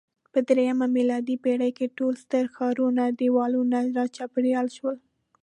په درېیمه میلادي پېړۍ کې ټول ستر ښارونه دېوالونو راچاپېر شول